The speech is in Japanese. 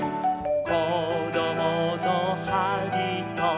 「こどものはりと」